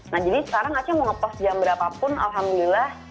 nah jadi sekarang aceh mau ngepost jam berapapun alhamdulillah